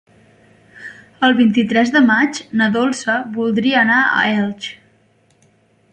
El vint-i-tres de maig na Dolça voldria anar a Elx.